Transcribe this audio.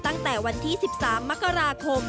ตั้งแต่วันที่๑๓มกราคม